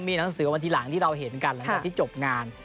มีหนังสือวันทีหลังที่เราเห็นกันหลังจากที่จบงาน